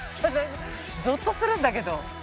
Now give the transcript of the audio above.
ぞっとするんだけど。